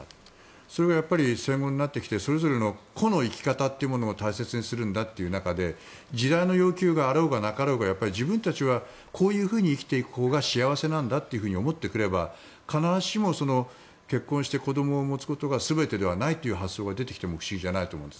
それがやっぱり戦後になってきてそれぞれの個の生き方が大切になっていく中で時代の要求があろうがなかろうが自分たちはこういうふうに生きていくほうが幸せなんだと思ってくれば必ずしも結婚して子供を持つことが全てではない発想が出てきても不思議じゃないと思います。